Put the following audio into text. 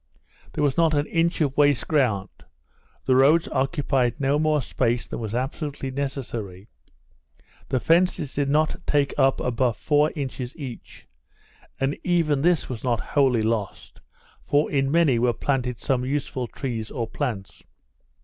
There was not an inch of waste ground; the roads occupied no more space than was absolutely necessary; the fences did not take up above four inches each; and even this was not wholly lost, for in many were planted some useful trees or plants.